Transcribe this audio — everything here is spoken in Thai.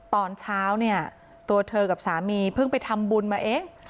ตอนเช้าเนี่ยตัวเธอกับสามีเพิ่งไปทำบุญมาเอง